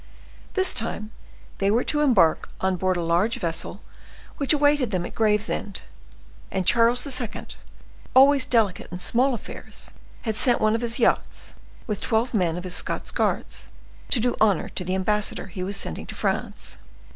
This time they were to embark on board a large vessel which awaited them at Gravesend, and Charles II., always delicate in small affairs, had sent one of his yachts, with twelve men of his Scots guard, to do honor to the ambassador he was sending to France.